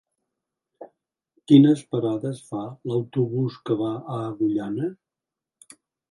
Quines parades fa l'autobús que va a Agullana?